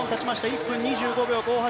１分２５秒５８。